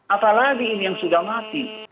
apalagi ini yang sudah mati